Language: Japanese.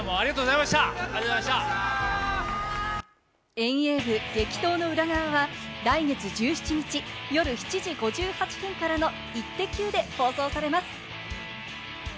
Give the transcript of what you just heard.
遠泳部激闘の裏側は来月１７日、夜７時５８分からの『イッテＱ！』で放送されます。